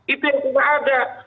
itu yang tidak ada